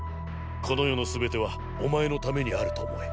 この世の全てはお前のためにあると思え。